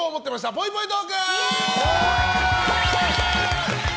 ぽいぽいトーク！